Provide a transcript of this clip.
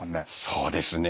そうですね。